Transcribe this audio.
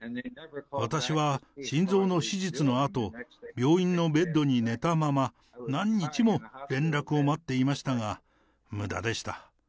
私は心臓の手術のあと、病院のベッドに寝たまま、何日も連絡を待っていましたが、むだでした。